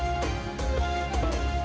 wassalamualaikum wr wb